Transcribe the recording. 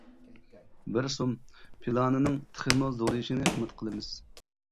بىر سوم پىلانىنىڭ تېخىمۇ زورىيىشىنى ئۈمىد قىلىمىز.